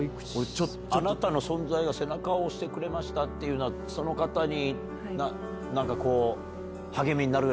「あなたの存在が背中を押してくれました」っていうのはその方に。